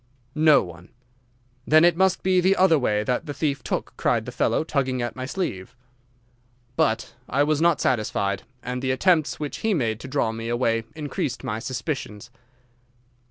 "'No one.' "'Then it must be the other way that the thief took,' cried the fellow, tugging at my sleeve. "'But I was not satisfied, and the attempts which he made to draw me away increased my suspicions.